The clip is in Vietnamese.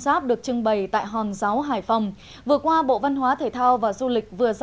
giáp được trưng bày tại hòn giáo hải phòng vừa qua bộ văn hóa thể thao và du lịch vừa ra văn bản yêu cầu tăng cường công tác tuyên truyền hướng dẫn trưng bày tượng biểu tượng và công trình mỹ thuật ngoài trời